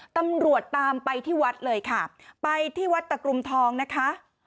ตำรวจตามไปที่วัดเลยค่ะไปที่วัดตะกรุมทองนะคะ